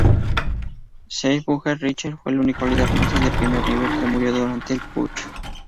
Scheubner-Richter fue el único líder nazi de primer nivel que murió durante el Putsch.